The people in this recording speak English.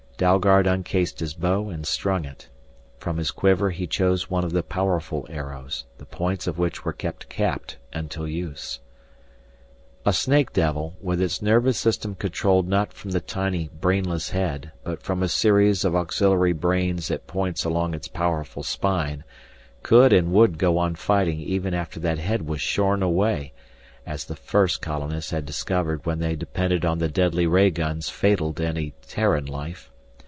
Dalgard uncased his bow and strung it. From his quiver he chose one of the powerful arrows, the points of which were kept capped until use. A snake devil, with its nervous system controlled not from the tiny, brainless head but from a series of auxiliary "brains" at points along its powerful spine, could and would go on fighting even after that head was shorn away, as the first colonists had discovered when they depended on the deadly ray guns fatal to any Terran life.